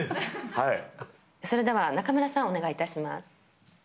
それでは中村さんお願い致します。